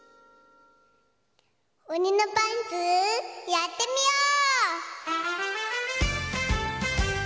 「おにのパンツ」やってみよう！